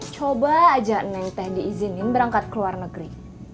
coba aja naik teh diizinin berangkat ke luar negeri